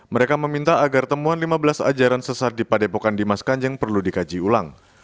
mereka meminta agar temuan lima belas ajaran sesat di padepokan dimas kanjeng perlu dikaji ulang